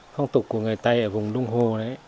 phong tục của người tài ở vùng đông hồ